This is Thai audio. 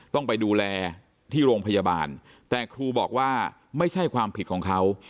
ต้องไปดูแลที่โรงพยาบาลแต่ครูบอกว่าไม่ใช่ความผิดของเขา